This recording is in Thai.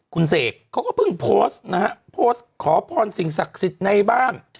คุณเสกเขาก็เพิ่งโพสต์นะฮะโพสต์ขอพรสิ่งศักดิ์สิทธิ์ในบ้าน